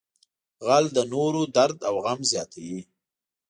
غل د نورو درد او غم زیاتوي